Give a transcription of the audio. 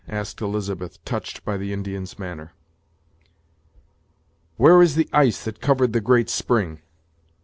asked Elizabeth, touched by the Indian's manner. "Where is the ice that covered the great spring?